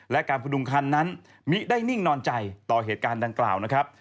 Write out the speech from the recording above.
และการพดุงคันนั้นมิได้นิ่งนอนใจต่อเหตุการณ์ดังกล่าวนะครับ